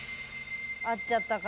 会っちゃったか。